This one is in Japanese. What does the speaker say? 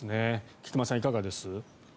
菊間さん、いかがです？